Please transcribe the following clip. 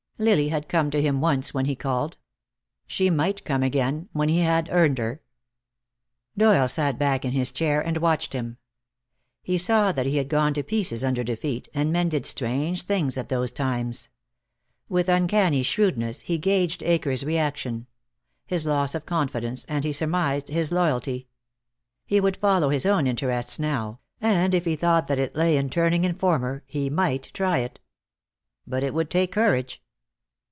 Lily had come to him once when he called. She might come again, when he had earned her. Doyle sat back in his chair and watched him. He saw that he had gone to pieces under defeat, and men did strange things at those times. With uncanny shrewdness he gauged Akers' reaction; his loss of confidence and, he surmised, his loyalty. He would follow his own interest now, and if he thought that it lay in turning informer, he might try it. But it would take courage.